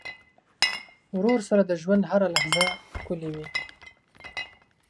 ورور سره د ژوند هره لحظه ښکلي وي.